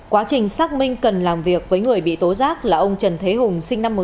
quá trình xác minh cần làm việc với người bị tố giác là ông trần thế hùng